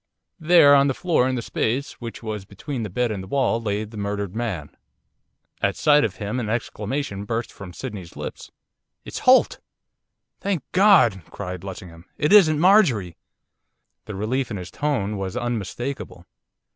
There, on the floor in the space which was between the bed and the wall, lay the murdered man. At sight of him an exclamation burst from Sydney's lips. 'It's Holt!' 'Thank God!' cried Lessingham. 'It isn't Marjorie!' The relief in his tone was unmistakable.